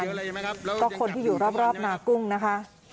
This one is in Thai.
ได้เยอะเลยไหมครับก็คนที่อยู่รอบรอบนากุ้งนะคะ